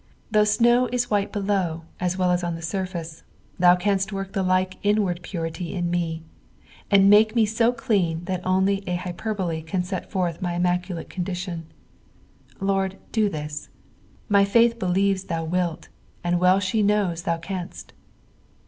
Though snow is white beliiw ns well as on the surface, thou canst work tlie tike inward purity in me, and make me so clean that only an hyperbole can set forth my iminacuhite condition. Lord, do this; my faith believes thou wilt, and well she knows thou canst.